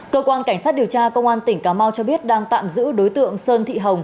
cơ quan cảnh sát điều tra công an tỉnh cà mau cho biết đang tạm giữ đối tượng sơn thị hồng